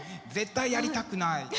絶対やりたくない。